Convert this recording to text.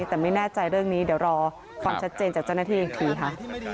แต่ไม่แน่ใจเรื่องนี้เดี๋ยวรอความชัดเจนจากเจ้าหน้าที่อีกทีค่ะ